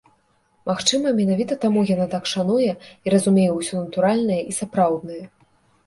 Магчыма, менавіта таму яна так шануе і разумее ўсё натуральнае і сапраўднае.